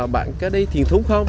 bạn có đi điển thúng không